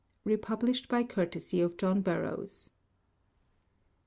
Republished by courtesy of John Burroughs.